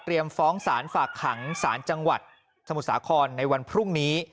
ฟ้องสารฝากขังสารจังหวัดสมุทรสาครในวันพรุ่งนี้